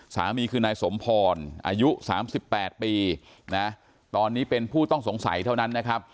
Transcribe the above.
สามีคือนายสมพรอายุ๓๘ปีนะตอนนี้เป็นผู้ต้องสงสัยเท่านั้นนะครับ